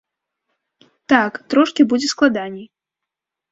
Так, трошкі будзе складаней.